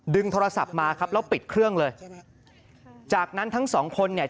โทรศัพท์มาครับแล้วปิดเครื่องเลยจากนั้นทั้งสองคนเนี่ย